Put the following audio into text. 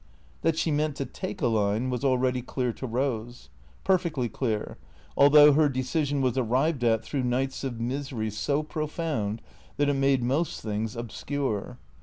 That she meant to take a line was already clear to Eose. Per fectly clear, although her decision was arrived at through nights of misery so profound that it made most things obscure.